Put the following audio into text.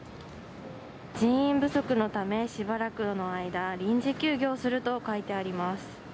人員不足のため、しばらくの間、臨時休業すると書いてあります。